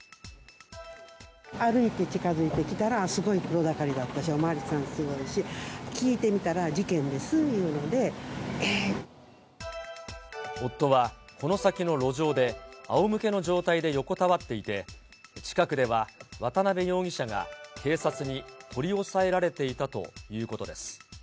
歩いて近づいてきたら、すごい人だかりだし、お巡りさんすごいし、聞いてみたら、事件で夫は、この先の路上であおむけの状態で横たわっていて、近くでは渡部容疑者が警察に取り押さえられていたということです。